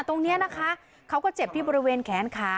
ตรงนี้นะคะเขาก็เจ็บที่บริเวณแขนขา